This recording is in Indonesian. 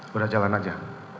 sudah jalan saja